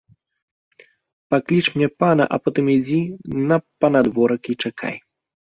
Пакліч мне пана, а потым ідзі на панадворак і чакай.